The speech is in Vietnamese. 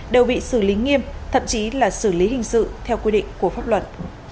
đều bị xử lý nghiêm thậm chí là xử lý hình sự theo quy định của pháp luật